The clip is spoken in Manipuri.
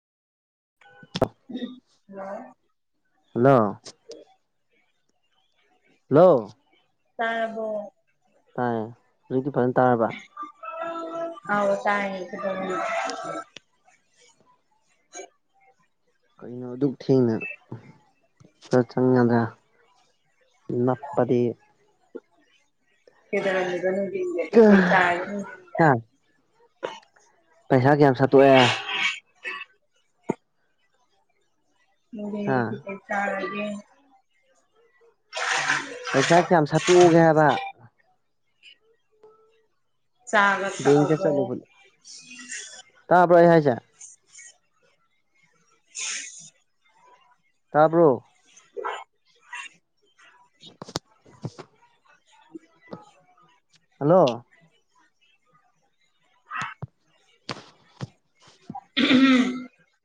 [unintelligible] ꯍꯜꯂꯣ ꯍꯜꯂꯣ ꯍꯜꯂꯣ ꯇꯥꯔꯕꯣ ꯑꯥ ꯍꯧꯖꯤꯛꯇꯤ ꯐꯖꯅ ꯇꯥꯔꯕ [unintelligible] ꯑꯧ ꯇꯥꯔꯦ ꯀꯩꯗꯧꯔꯒꯦ [unintelligible] ꯀꯩꯅꯣ ꯑꯗꯨꯛ ꯊꯦꯡꯅ ꯆꯥꯛ ꯆꯪꯒꯗ꯭ꯔꯥ ꯅꯞꯄꯗꯤ ꯀꯩꯗꯧꯔꯝꯃꯤꯕ ꯅꯣꯏ ꯍꯥ ꯄꯩꯁꯥ ꯀꯌꯥꯝ ꯁꯥꯠꯇꯣꯛꯑꯦ ꯍꯥ ꯅꯨꯡꯗꯤꯟꯒꯤ ꯀꯩ ꯀꯩ ꯆꯔꯒꯦ [inaudible] ꯄꯩꯁꯥ ꯀꯌꯥꯝ ꯁꯠꯇꯣꯛꯎꯒꯦ ꯍꯥꯏꯕ ꯆꯥꯒ ꯕꯦꯡꯗ ꯊꯛꯑꯕꯣ ꯇꯥꯕꯔꯥ ꯑꯩ ꯍꯥꯏꯁꯦ [inaudible] ꯇꯥꯕ꯭ꯔꯣ [inaudible] [inaudible] ꯍꯜꯂꯣ [unintelligible]